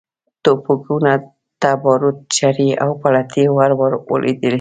ټوپکونو ته باروت، چرې او پلتې ور ولوېدې.